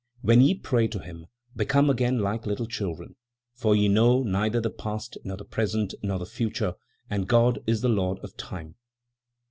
"When ye pray to him, become again like little children, for ye know neither the past, nor the present, nor the future, and God is the Lord of Time."